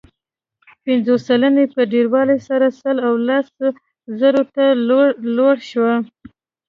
پنځوس سلنې په ډېروالي سره سل او لس زرو ته لوړ شو.